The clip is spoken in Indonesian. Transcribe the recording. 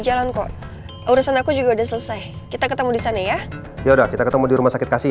jalan kok urusan aku juga udah selesai kita ketemu di sana ya yaudah kita ketemu di rumah sakit kasih